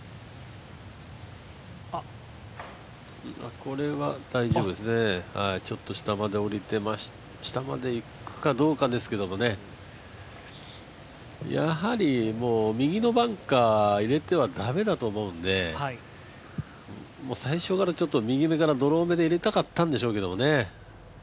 これは大丈夫ですね、下までいくかどうかですけどね、やはり右のバンカーに入れては駄目だと思うので、最初から右目からドロー目で入れたかったんでしょうけどね。